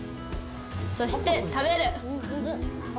そして、食べる。